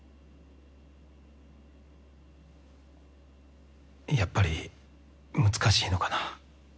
やっぱり難しいのかな。